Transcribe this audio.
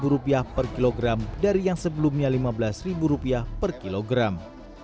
rp lima per kilogram dari yang sebelumnya rp lima belas per kilogram